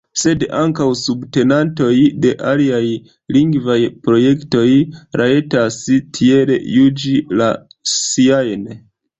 Sed ankaŭ subtenantoj de aliaj lingvaj projektoj rajtas tiel juĝi la siajn.